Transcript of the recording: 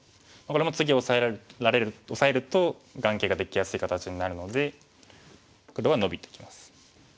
これも次オサえると眼形ができやすい形になるので黒はノビてきます。